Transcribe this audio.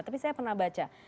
tapi saya pernah baca